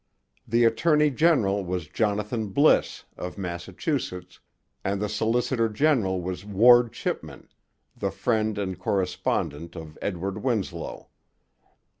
The attorney general was Jonathan Bliss, of Massachusetts; and the solicitor general was Ward Chipman, the friend and correspondent of Edward Winslow.